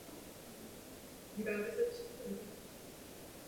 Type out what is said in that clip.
Od sedmdesátých let se na západě začaly masově vyrábět i pro dospělé.